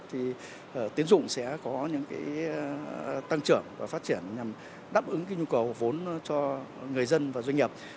tính dụng sẽ có những tăng trưởng và phát triển nhằm đáp ứng nhu cầu vốn cho người dân và doanh nghiệp